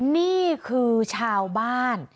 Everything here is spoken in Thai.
นี่คือชาวบ้าน